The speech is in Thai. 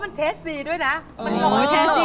เป็นเทสต์ซีด้วยนะ